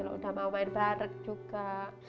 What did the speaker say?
udah mau main bareng juga